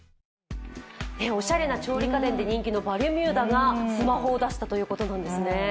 おしゃれな電気家電で人気のバルミューダがスマホを出したということなんですね。